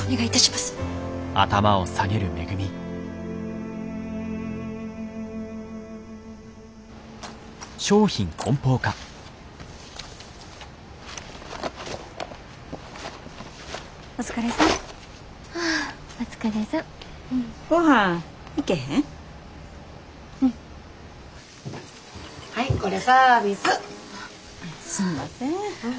すんません。